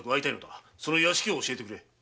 その屋敷を教えてくれ。